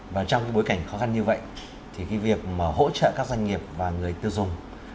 và trong bối cảnh khó khăn như vậy thì việc hỗ trợ các doanh nghiệp và người tiêu dùng